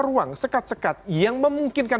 ruang sekat sekat yang memungkinkan